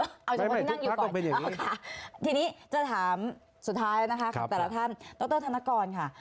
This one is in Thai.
เอาจริงที่นั่งอยู่ก่อนเอาค่ะทีนี้จะถามสุดท้ายนะคะแต่ละท่านดรธนกรค่ะ